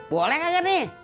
boleh kagak nih